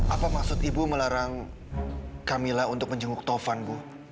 apa maksud ibu melarang kamila untuk menjungguk taufan bu